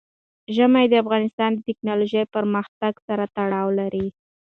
ژمی د افغانستان د تکنالوژۍ پرمختګ سره تړاو لري.